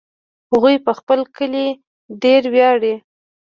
هغوی په خپل کلي ډېر ویاړي